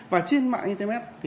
và trên mạng internet